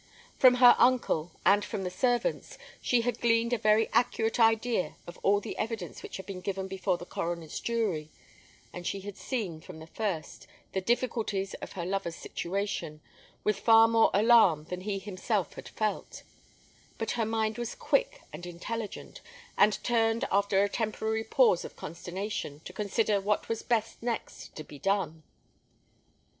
From her uncle, and from the servants, she had gleaned a very accurate idea of all the evidence which had been given before the coroner's jury; and she had seen, from the first, the difficulties of her lover's situation, with far more alarm than he himself had felt; but her mind was quick and intelligent, and turned, after a temporary pause of consternation, to consider what was best next to be done.